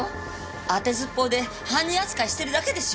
当てずっぽうで犯人扱いしてるだけでしょ！